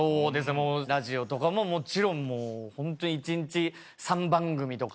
もうラジオとかももちろんもうホント一日３番組とか。